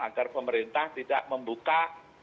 agar pemerintah tidak membuka